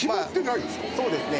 そうですね